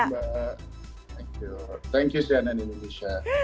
thank you thank you mbak thank you thank you sianan indonesia